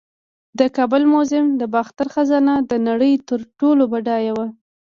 د کابل میوزیم د باختر خزانه د نړۍ تر ټولو بډایه وه